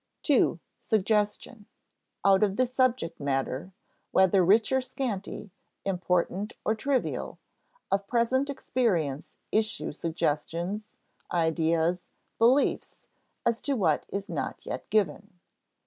§ 2. Suggestion Out of the subject matter, whether rich or scanty, important or trivial, of present experience issue suggestions, ideas, beliefs as to what is not yet given.